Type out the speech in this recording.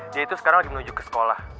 dia itu sekarang lagi menuju ke sekolah